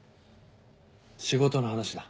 仕事の話だ。